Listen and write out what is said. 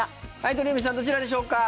鳥海さんどちらでしょうか？